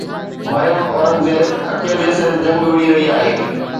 مريم اورنگزيب اڪيلي سر جنگ وڙهي رهي آهي.